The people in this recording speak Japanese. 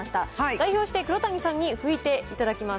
代表して黒谷さんに拭いていただきます。